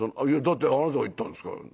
だってあなたが言ったんですから。